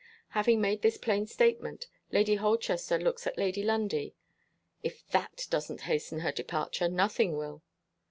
Having made this plain statement, Lady Holchester looks at Lady Lundie. (If that doesn't hasten her departure, nothing will!)